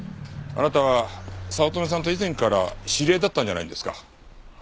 あなたは早乙女さんと以前から知り合いだったんじゃないんですか？